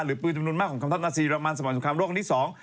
หรือปืนจำนวนมากของคำทับนาศีรมันสมัครสมความโรคที่สอง